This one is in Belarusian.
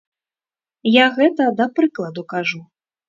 Я гэта да прыкладу кажу.